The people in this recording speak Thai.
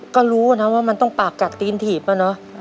ก็รู้นะว่ามันต้องปากกัดตีนถีบอะเนอะ